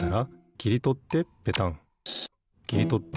きりとってペタン。